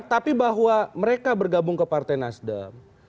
tapi bahwa mereka bergabung ke partai nasdem